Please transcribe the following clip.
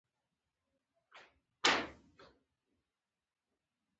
مامدک له قاضي سره جوړه کړې وه چې فیصله زما په حق کې وکړه.